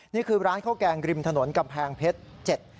นี่คือร้านข้าวแกงริมถนนกำแพงเพชร